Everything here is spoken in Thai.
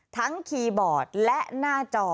คีย์บอร์ดและหน้าจอ